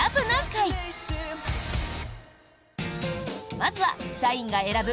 まずは社員が選ぶ